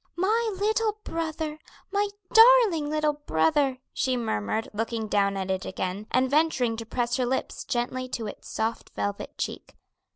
"My little brother! my darling little brother," she murmured looking down at it again, and venturing to press her lips gently to its soft velvet cheek.